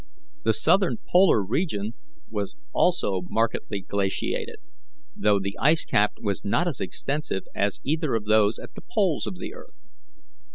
The south polar region was also markedly glaciated, though the icecap was not as extensive as either of those at the poles of the earth.